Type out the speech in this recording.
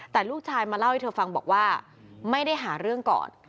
แต่ลูกชายมาเล่าให้เธอฟังบอกว่าไม่ได้หาเรื่องก่อน